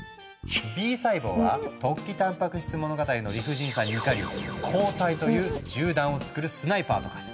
Ｂ細胞は「突起たんぱく質物語」の理不尽さに怒り抗体という銃弾をつくるスナイパーと化す。